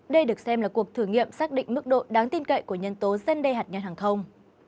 đây được xem là cuộc thử nghiệm xác định mức độ đáng tin cậy của nhân tố gian đe hạt nhân hàng không